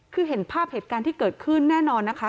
คือเห็นภาพเหตุการณ์ที่เกิดขึ้นแน่นอนนะคะ